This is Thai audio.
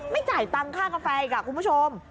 จ่ายตังค่ากาแฟอีกคุณผู้ชม